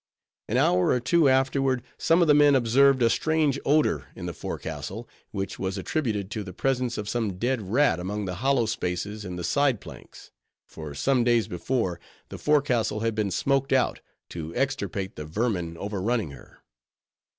An hour or two afterward, some of the men observed a strange odor in the forecastle, which was attributed to the presence of some dead rat among the hollow spaces in the side planks; for some days before, the forecastle had been smoked out, to extirpate the vermin overrunning her.